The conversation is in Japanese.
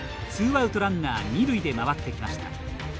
ツーアウト、ランナー、二塁で回ってきました。